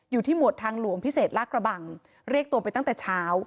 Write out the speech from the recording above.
หมวดทางหลวงพิเศษลากระบังเรียกตัวไปตั้งแต่เช้า